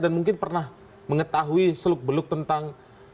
dan mungkin pernah mengetahui seluk beluk tentang